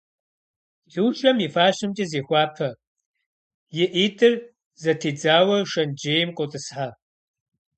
Лушэм и фащэмкӏэ зехуапэ, и ӏитӏыр зэтедзауэ шэнтжьейм къотӏысхьэ.